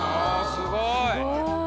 すごい。